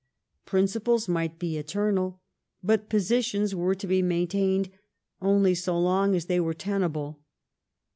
Principles might be eternal, but positions were to be maintained only so long as they were tenable.